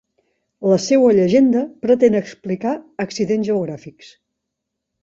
La seua llegenda pretén explicar accidents geogràfics.